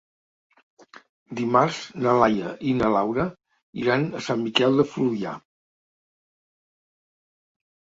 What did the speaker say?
Dimarts na Laia i na Laura iran a Sant Miquel de Fluvià.